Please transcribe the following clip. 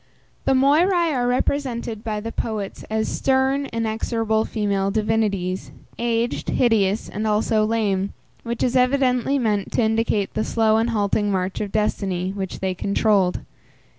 The Moiræ are represented by the poets as stern, inexorable female divinities, aged, hideous, and also lame, which is evidently meant to indicate the slow and halting march of destiny, which they controlled.